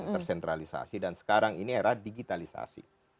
tersentralisasi dan sekarang ini era digitalisasi